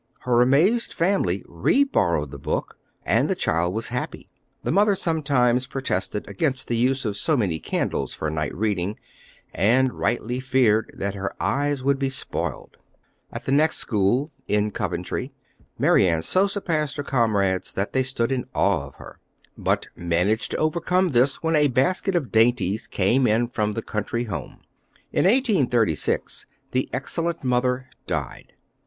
Her amazed family re borrowed the book, and the child was happy. The mother sometimes protested against the use of so many candles for night reading, and rightly feared that her eyes would be spoiled. At the next school, at Coventry, Mary Ann so surpassed her comrades that they stood in awe of her, but managed to overcome this when a basket of dainties came in from the country home. In 1836 the excellent mother died.